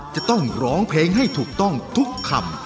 จะต้องร้องเพลงให้ถูกต้องทุกคำ